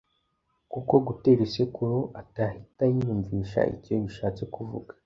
kuko gutera isekuru atahita yiyumvisha icyo bishatse kuvuga.